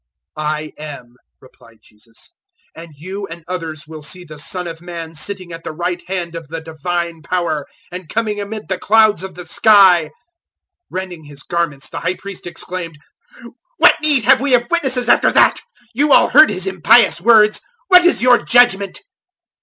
014:062 "I am," replied Jesus, "and you and others will see the Son of Man sitting at the right hand of the divine Power, and coming amid the clouds of the sky." 014:063 Rending his garments the High Priest exclaimed, "What need have we of witnesses after that? 014:064 You all heard his impious words. What is your judgement?"